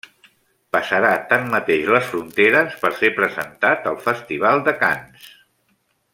Passarà tanmateix les fronteres per ser presentat al Festival de Canes.